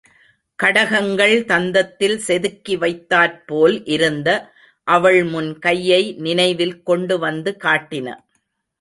கடகங்கள் தந்தத்தில் செதுக்கி வைத்தாற்போல் இருந்த அவள் முன் கையை நினைவில் கொண்டுவந்து காட்டின.